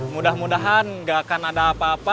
mudah mudahan gak akan ada apa apa